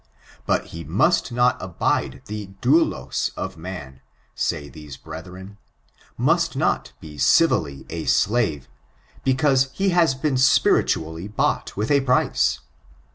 But he must not abide the doulat of man« say these brethren— 4nust not be civilly a slave; because he has been spiritually bought with a price.